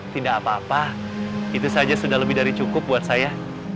tidak apa apa itu saja sudah lebih dari cukup buat saya